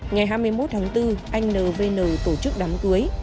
ngày hai mươi một tháng bốn anh nvn tổ chức đám cưới